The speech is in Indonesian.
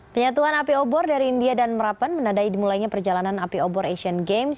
penyatuan api obor dari india dan merapan menadai dimulainya perjalanan api obor asian games